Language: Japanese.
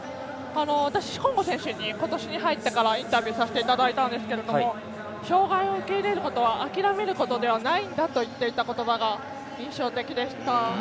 私、シコンゴ選手に今年に入ってからインタビューさせてもらったんですが障がいを受け入れることは諦めることではないんだと言っていた言葉が印象的でした。